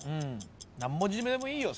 何文字でもいいよ